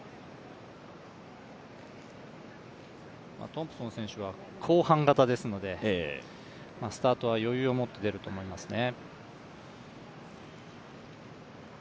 トンプソン選手は後半型ですのでスタートは余裕を持って出ると思いますね。